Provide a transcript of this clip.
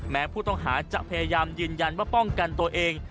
แม้ผู้ต้องหาจะพยายามยืนยันว่าป้องกันตัวเอง